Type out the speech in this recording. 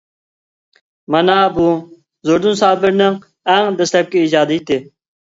مانا بۇ زوردۇن سابىرنىڭ ئەڭ دەسلەپكى ئىجادىيىتى.